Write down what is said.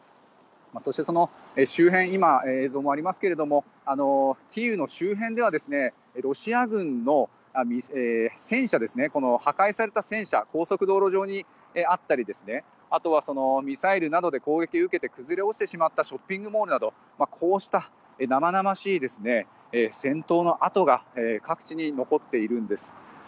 そして、周辺の映像がありますがキーウの周辺ではロシア軍の破壊された戦車が高速道路上にあったりあとは、ミサイルなどで攻撃を受けて崩れ落ちしまったショッピングモールなどこうした生々しい戦闘の跡が各地に残っているんです。